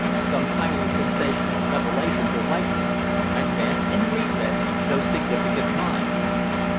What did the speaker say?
Some highly sensational revelations are likely." I read and re read those significant lines.